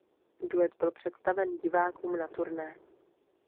Duet byl představen divákům na turné.